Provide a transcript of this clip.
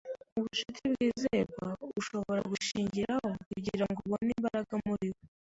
Ubucuti bwizerwa ushobora gushingiraho kugirango ubone imbaraga muriwe